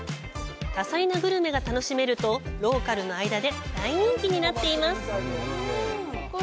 多彩なグルメが楽しめるとローカルの間で大人気になっています。